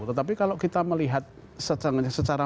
tetapi kalau kita melihat secara